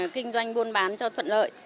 kinh doanh buôn bán cho thuận lợi